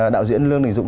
đạo diễn lương đình dũng